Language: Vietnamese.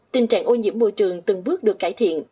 tình trạng ô nhiễm môi trường từng bước được cải thiện